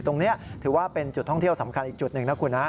ตรงนี้ถือว่าเป็นจุดท่องเที่ยวสำคัญอีกจุดหนึ่งนะคุณนะ